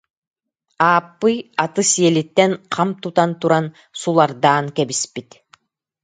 Ааппый, аты сиэлиттэн хам тутан туран, сулардаан кэбиспит